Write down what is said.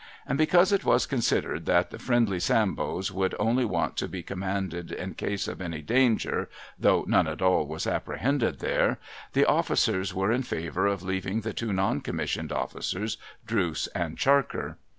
And because it was considered that the friendly Sambos would only want to be commanded in case of any danger (though none at all was apprehended there), the officers were in favour of leaving the two non commissioned officers, Drooce and Charker.